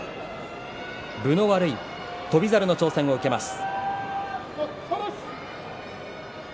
分の悪い翔猿の挑戦を受けます。